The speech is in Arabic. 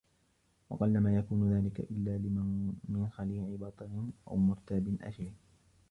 وَقَلَّمَا يَكُونُ ذَلِكَ إلَّا مِنْ خَلِيعٍ بَطِرٍ أَوْ مُرْتَابٍ أَشِرٍ